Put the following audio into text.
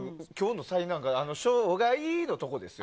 「生涯」のところですよ。